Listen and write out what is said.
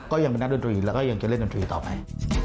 ก็ยังเป็นนักดนตรีแล้วก็ยังจะเล่นดนตรีต่อไป